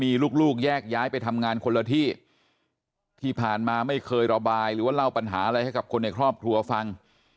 มีลูกลูกแยกย้ายไปทำงานคนละที่ที่ผ่านมาไม่เคยระบายหรือว่าเล่าปัญหาอะไรให้กับคนในครอบครัวฟัง